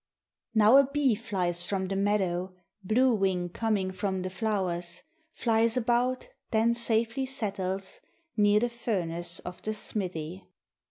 Now a bee flies from the meadow, Blue wing coming from the flowers. Flies about, then safely settles Near the furnace of the smithy.